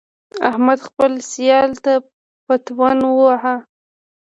احمد خپل سیال ته پتون وواهه.